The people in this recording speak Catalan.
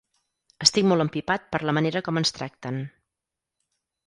Estic molt empipat per la manera com ens tracten.